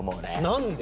何で？